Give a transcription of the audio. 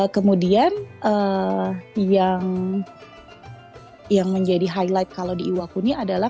kemudian yang menjadi highlight kalau di iwakuni adalah